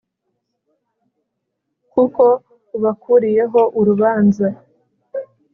kuko ubakuriyeho urubanza